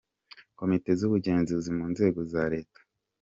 Komite z’Ubugenzuzi mu Nzego za Leta ;